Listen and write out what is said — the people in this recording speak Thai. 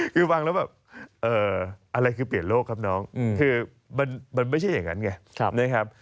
คือฟังแล้วแบบอะไรคือเปลี่ยนโลกครับน้องคือมันไม่ใช่อย่างนั้นไงนะครับ